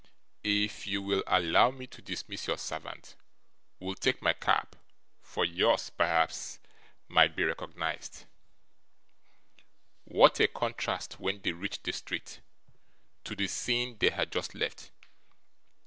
If you will allow me to dismiss your servant, we'll take my cab; for yours, perhaps, might be recognised.' What a contrast, when they reached the street, to the scene they had just left!